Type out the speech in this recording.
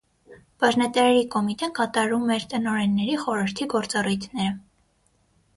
Բաժնետերերի կոմիտեն կատարում էր տնօրենների խորհրդի գործառույթները։